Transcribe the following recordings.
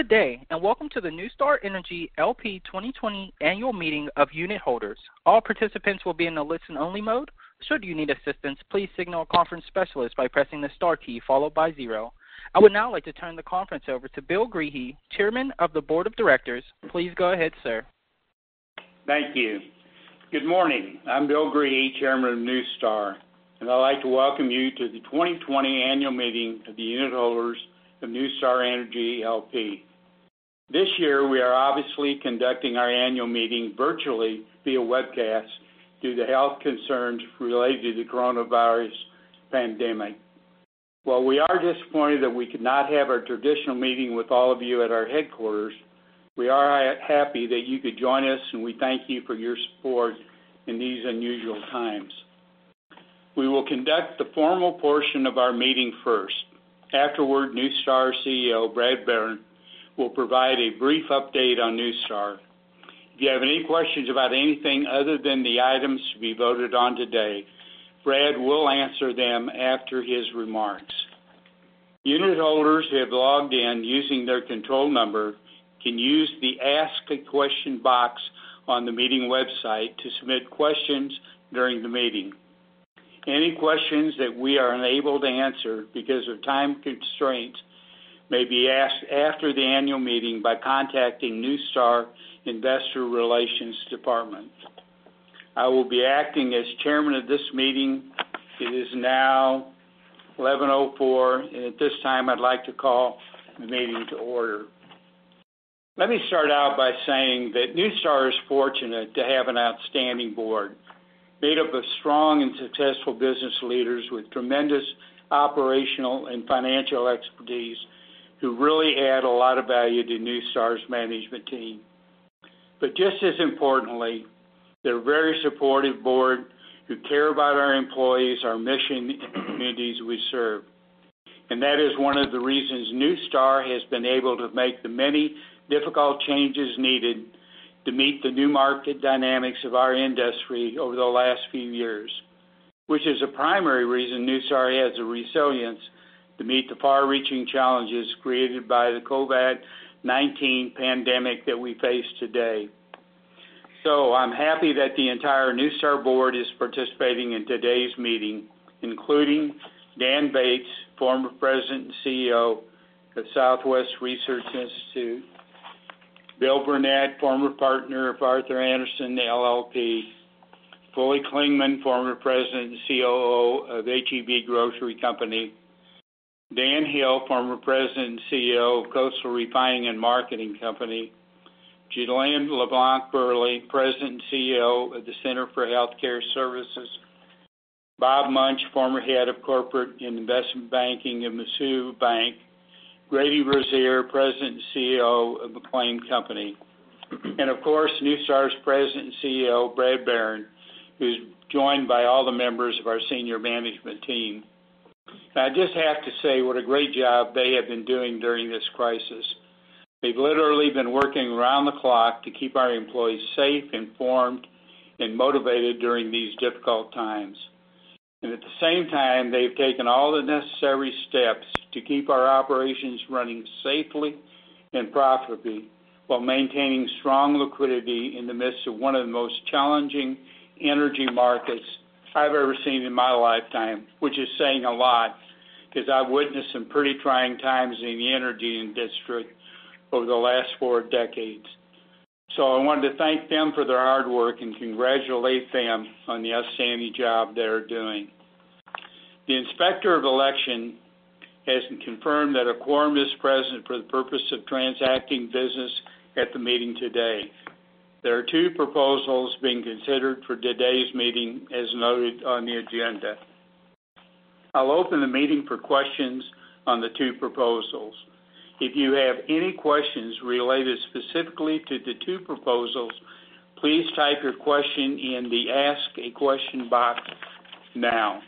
Good day, and welcome to the NuStar Energy L.P. 2020 annual meeting of unitholders. All participants will be in a listen-only mode, should you need assistance, please signal a conference specialist by pressing the star key followed by zero. I would now like to turn the conference over to Bill Greehey, Chairman of the Board of Directors. Please go ahead, sir. Thank you. Good morning. I'm Bill Greehey, Chairman of NuStar, and I'd like to welcome you to the 2020 annual meeting of the unitholders of NuStar Energy L.P. This year, we are obviously conducting our annual meeting virtually via webcast due to health concerns related to the coronavirus pandemic. While we are disappointed that we could not have our traditional meeting with all of you at our headquarters, we are happy that you could join us, and we thank you for your support in these unusual times. We will conduct the formal portion of our meeting first. Afterward, NuStar CEO, Brad Barron, will provide a brief update on NuStar. If you have any questions about anything other than the items to be voted on today, Brad will answer them after his remarks. Unitholders who have logged in using their control number can use the ask a question box on the meeting website to submit questions during the meeting. Any questions that we are unable to answer because of time constraints may be asked after the annual meeting by contacting NuStar Investor Relations Department. I will be acting as chairman of this meeting. It is now 11:04. At this time, I'd like to call the meeting to order. Let me start out by saying that NuStar is fortunate to have an outstanding board made up of strong and successful business leaders with tremendous operational and financial expertise, who really add a lot of value to NuStar's management team. Just as importantly, they're a very supportive board who care about our employees, our mission, and the communities we serve. That is one of the reasons NuStar has been able to make the many difficult changes needed to meet the new market dynamics of our industry over the last few years. Which is a primary reason NuStar has the resilience to meet the far-reaching challenges created by the COVID-19 pandemic that we face today. I'm happy that the entire NuStar board is participating in today's meeting, including Dan Bates, former President and CEO of Southwest Research Institute. Bill Burnett, former Partner of Arthur Andersen LLP. Fully Clingman, former President and COO of H-E-B Grocery Company. Dan Hill, former President and CEO of Coastal Refining and Marketing Company. Jelynne LeBlanc-Burley, President and CEO of The Center for Health Care Services. Bob Munch, former head of corporate and investment banking of Mizuho Bank. Grady Rosier, President and CEO of McLane Company. Of course, NuStar's President and CEO, Brad Barron, who's joined by all the members of our senior management team. I just have to say what a great job they have been doing during this crisis. They've literally been working around the clock to keep our employees safe, informed, and motivated during these difficult times. At the same time, they've taken all the necessary steps to keep our operations running safely and profitably while maintaining strong liquidity in the midst of one of the most challenging energy markets I've ever seen in my lifetime, which is saying a lot, because I've witnessed some pretty trying times in the energy industry over the last four decades. I wanted to thank them for their hard work and congratulate them on the outstanding job they're doing. The Inspector of Election has confirmed that a quorum is present for the purpose of transacting business at the meeting today. There are two proposals being considered for today's meeting, as noted on the agenda. I'll open the meeting for questions on the two proposals. If you have any questions related specifically to the two proposals, please type your question in the ask a question box now.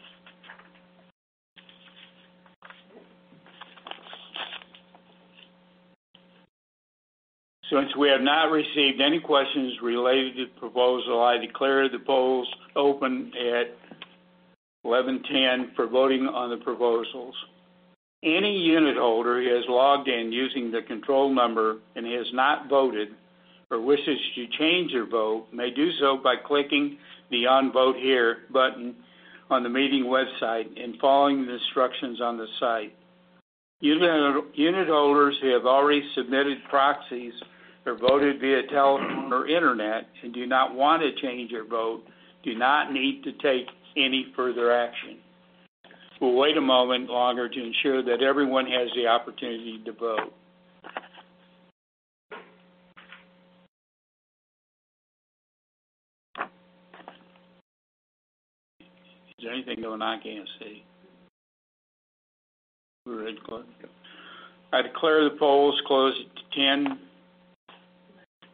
Since we have not received any questions related to the proposal, I declare the polls open at 11:10 A.M. for voting on the proposals. Any unitholder who has logged in using their control number and has not voted or wishes to change their vote may do so by clicking the unvote here button on the meeting website and following the instructions on the site. Unitholders who have already submitted proxies or voted via telephone or internet and do not want to change their vote, do not need to take any further action. We'll wait a moment longer to ensure that everyone has the opportunity to vote. Is there anything going on? I can't see. We're ready to go. I declare the polls closed at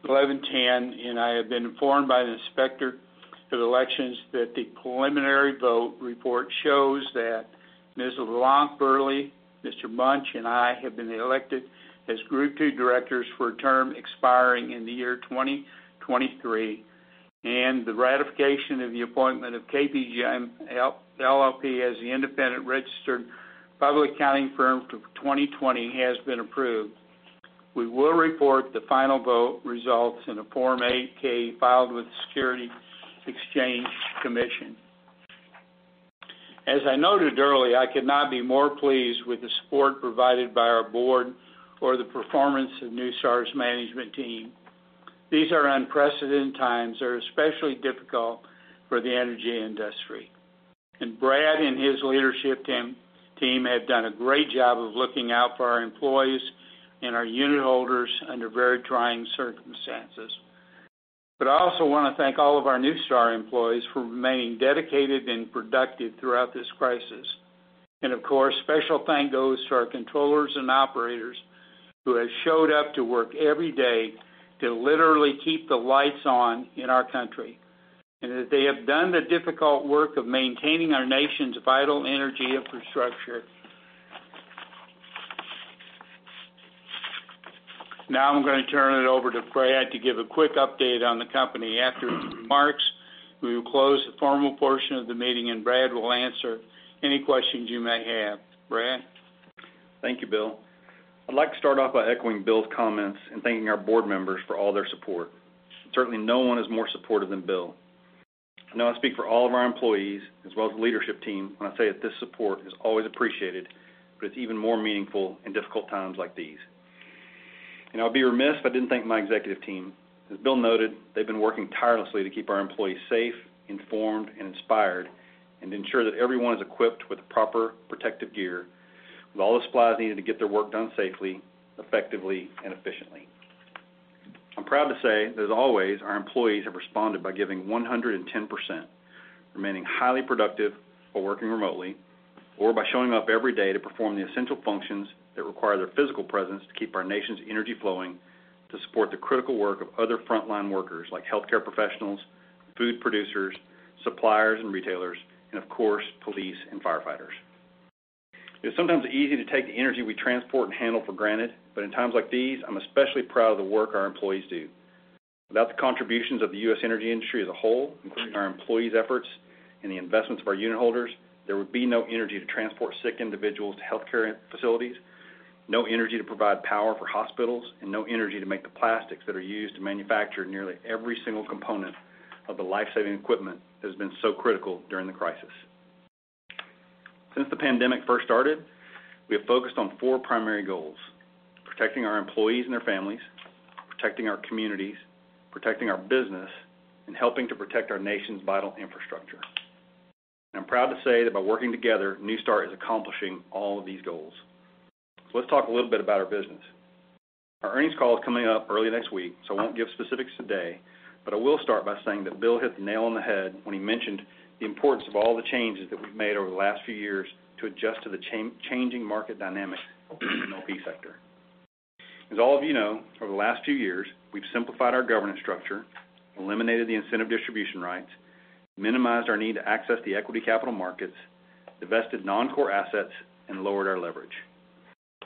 11:10, and I have been informed by the Inspector of Elections that the preliminary vote report shows that Ms. LeBlanc-Burley, Mr. Munch, and I have been elected as group two directors for a term expiring in the year 2023. The ratification of the appointment of KPMG LLP as the independent registered public accounting firm for 2020 has been approved. We will report the final vote results in a Form 8-K filed with the Securities and Exchange Commission. As I noted earlier, I could not be more pleased with the support provided by our board or the performance of NuStar's management team. These are unprecedented times that are especially difficult for the energy industry, and Brad and his leadership team have done a great job of looking out for our employees and our unitholders under very trying circumstances. I also want to thank all of our NuStar employees for remaining dedicated and productive throughout this crisis. Of course, special thanks goes to our controllers and operators who have showed up to work every day to literally keep the lights on in our country. They have done the difficult work of maintaining our nation's vital energy infrastructure. Now I'm going to turn it over to Brad to give a quick update on the company. After his remarks, we will close the formal portion of the meeting, and Brad will answer any questions you may have. Brad? Thank you, Bill. I'd like to start off by echoing Bill's comments and thanking our board members for all their support. Certainly, no one is more supportive than Bill. I know I speak for all of our employees as well as the leadership team when I say that this support is always appreciated, but it's even more meaningful in difficult times like these. I'll be remiss if I didn't thank my executive team. As Bill noted, they've been working tirelessly to keep our employees safe, informed, and inspired, and ensure that everyone is equipped with the proper protective gear, with all the supplies needed to get their work done safely, effectively, and efficiently. I'm proud to say that as always, our employees have responded by giving 110%, remaining highly productive while working remotely or by showing up every day to perform the essential functions that require their physical presence to keep our nation's energy flowing to support the critical work of other frontline workers like healthcare professionals, food producers, suppliers and retailers, and of course, police and firefighters. It's sometimes easy to take the energy we transport and handle for granted, but in times like these, I'm especially proud of the work our employees do. Without the contributions of the U.S. energy industry as a whole, including our employees' efforts and the investments of our unitholders, there would be no energy to transport sick individuals to healthcare facilities, no energy to provide power for hospitals, and no energy to make the plastics that are used to manufacture nearly every single component of the life-saving equipment that has been so critical during the crisis. Since the pandemic first started, we have focused on four primary goals: protecting our employees and their families, protecting our communities, protecting our business, and helping to protect our nation's vital infrastructure. I'm proud to say that by working together, NuStar is accomplishing all of these goals. Let's talk a little bit about our business. Our earnings call is coming up early next week, so I won't give specifics today, but I will start by saying that Bill hit the nail on the head when he mentioned the importance of all the changes that we've made over the last few years to adjust to the changing market dynamic in the MLP sector. As all of you know, over the last few years, we've simplified our governance structure, eliminated the incentive distribution rights, minimized our need to access the equity capital markets, divested non-core assets, and lowered our leverage.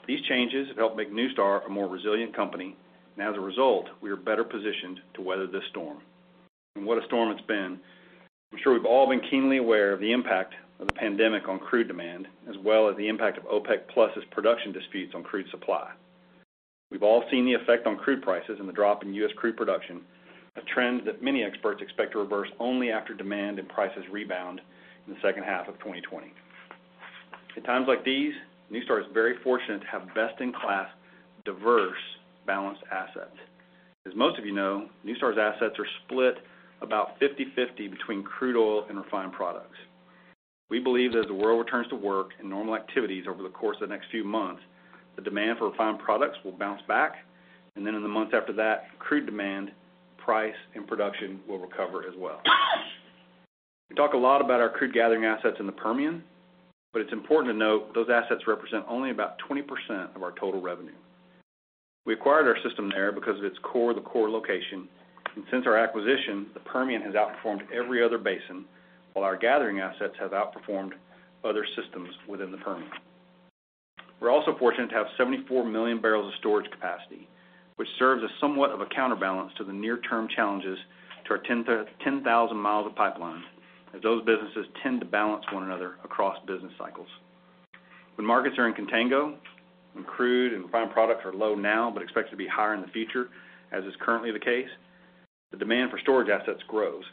These changes have helped make NuStar a more resilient company, and as a result, we are better positioned to weather this storm. What a storm it's been. I'm sure we've all been keenly aware of the impact of the pandemic on crude demand, as well as the impact of OPEC+'s production disputes on crude supply. We've all seen the effect on crude prices and the drop in U.S. crude production, a trend that many experts expect to reverse only after demand and prices rebound in the second half of 2020. In times like these, NuStar is very fortunate to have best-in-class, diverse, balanced assets. As most of you know, NuStar's assets are split about 50/50 between crude oil and refined products. We believe that as the world returns to work and normal activities over the course of the next few months, the demand for refined products will bounce back, and then in the months after that, crude demand, price, and production will recover as well. We talk a lot about our crude gathering assets in the Permian, but it's important to note those assets represent only about 20% of our total revenue. We acquired our system there because of its core-to-core location, and since our acquisition, the Permian has outperformed every other basin, while our gathering assets have outperformed other systems within the Permian. We're also fortunate to have 74 million bbls of storage capacity, which serves as somewhat of a counterbalance to the near-term challenges to our 10,000 miles of pipelines, as those businesses tend to balance one another across business cycles. When markets are in contango, when crude and refined products are low now but expected to be higher in the future, as is currently the case, the demand for storage assets grows,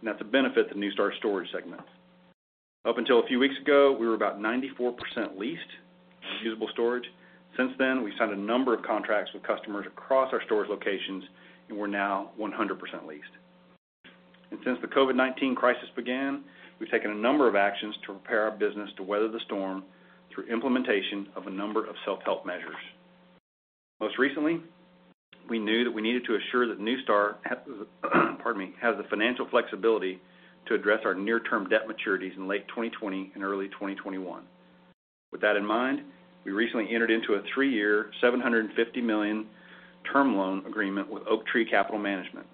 and that's a benefit to NuStar's storage segment. Up until a few weeks ago, we were about 94% leased in usable storage. Since then, we've signed a number of contracts with customers across our storage locations, and we're now 100% leased. Since the COVID-19 crisis began, we've taken a number of actions to prepare our business to weather the storm through implementation of a number of self-help measures. Most recently, we knew that we needed to assure that NuStar has the financial flexibility to address our near-term debt maturities in late 2020 and early 2021. With that in mind, we recently entered into a three-year, $750 million term loan agreement with Oaktree Capital Management.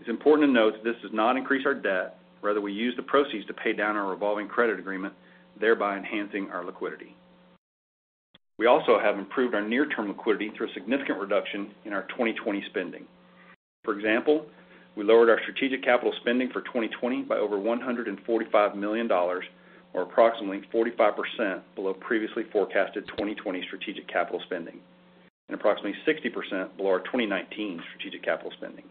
It's important to note that this does not increase our debt. Rather, we use the proceeds to pay down our revolving credit agreement, thereby enhancing our liquidity. We also have improved our near-term liquidity through a significant reduction in our 2020 spending. For example, we lowered our strategic capital spending for 2020 by over $145 million, or approximately 45% below previously forecasted 2020 strategic capital spending, and approximately 60% below our 2019 strategic capital spending.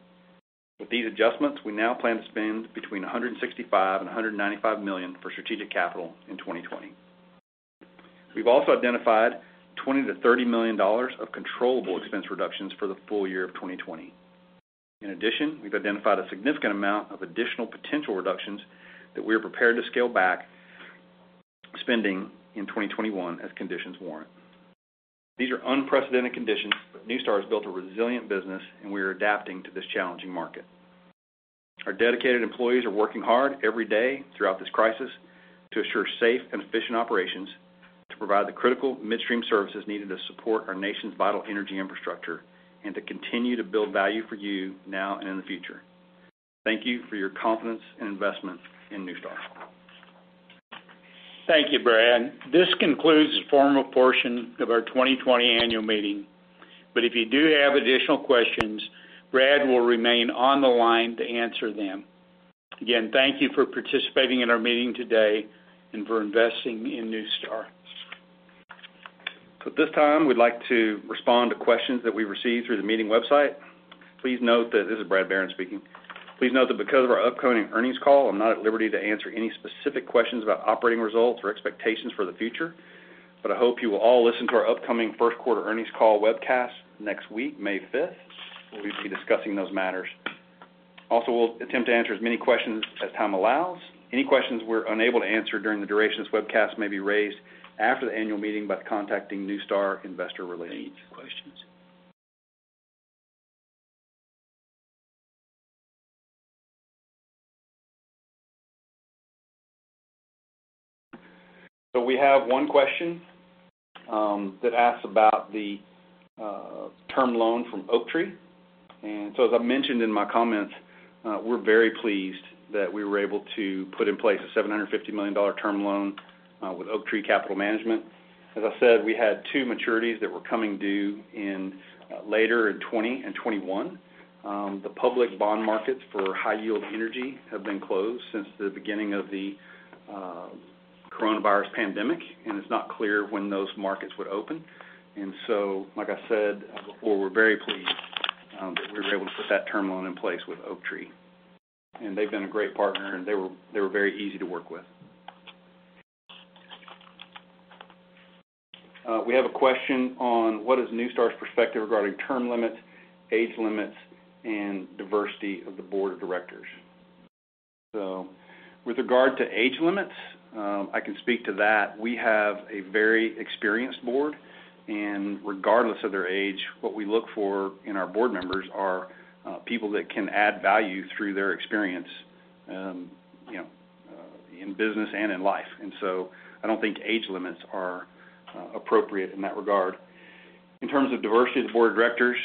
With these adjustments, we now plan to spend between $165 million and $195 million for strategic capital in 2020. We've also identified $20 million to $30 million of controllable expense reductions for the full year of 2020. In addition, we've identified a significant amount of additional potential reductions that we are prepared to scale back spending in 2021 as conditions warrant. These are unprecedented conditions, but NuStar has built a resilient business and we are adapting to this challenging market. Our dedicated employees are working hard every day throughout this crisis to assure safe and efficient operations, to provide the critical midstream services needed to support our nation's vital energy infrastructure, and to continue to build value for you now and in the future. Thank you for your confidence and investment in NuStar. Thank you, Brad. This concludes the formal portion of our 2020 annual meeting. If you do have additional questions, Brad will remain on the line to answer them. Again, thank you for participating in our meeting today and for investing in NuStar. At this time, we'd like to respond to questions that we received through the meeting website. This is Brad Barron speaking. Please note that because of our upcoming earnings call, I'm not at liberty to answer any specific questions about operating results or expectations for the future, but I hope you will all listen to our upcoming first quarter earnings call webcast next week, May 5th, where we'll be discussing those matters. Also, we'll attempt to answer as many questions as time allows. Any questions we're unable to answer during the duration of this webcast may be raised after the annual meeting by contacting NuStar Investor Relations. Any questions? We have one question that asks about the term loan from Oaktree. As I mentioned in my comments, we're very pleased that we were able to put in place a $750 million term loan with Oaktree Capital Management. As I said, we had two maturities that were coming due later in 2020 and 2021. The public bond markets for high-yield energy have been closed since the beginning of the coronavirus pandemic, and it's not clear when those markets would open. Like I said before, we're very pleased that we were able to put that term loan in place with Oaktree. They've been a great partner, and they were very easy to work with. We have a question on, what is NuStar's perspective regarding term limits, age limits, and diversity of the board of directors? With regard to age limits, I can speak to that. We have a very experienced board, and regardless of their age, what we look for in our board members are people that can add value through their experience, in business and in life. I don't think age limits are appropriate in that regard. In terms of diversity of the board of directors,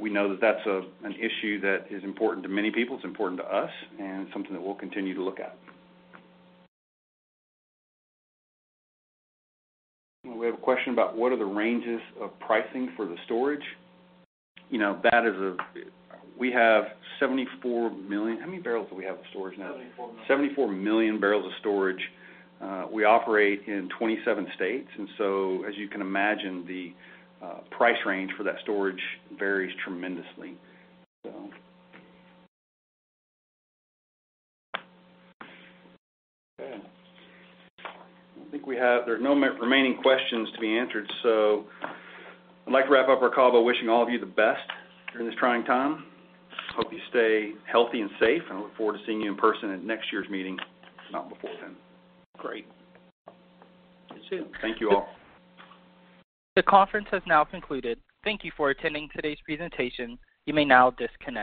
we know that that's an issue that is important to many people. It's important to us, and something that we'll continue to look at. We have a question about, what are the ranges of pricing for the storage? How many bbls do we have of storage now? $74 million. 74 million bbls of storage. We operate in 27 states, and so as you can imagine, the price range for that storage varies tremendously. Okay. I think there are no remaining questions to be answered. I'd like to wrap up our call by wishing all of you the best during this trying time. Hope you stay healthy and safe, and I look forward to seeing you in person at next year's meeting, if not before then. Great. That's it. Thank you all. The conference has now concluded. Thank you for attending today's presentation. You may now disconnect.